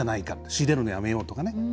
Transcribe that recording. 仕入れるのやめようとかね。